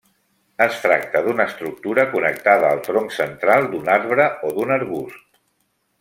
Es tracta d'una estructura connectada al tronc central d'un arbre o d'un arbust.